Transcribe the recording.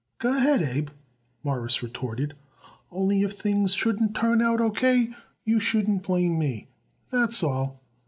"Go ahead, Abe," Morris retorted. "Only, if things shouldn't turn out O. K. you shouldn't blame me. That's all."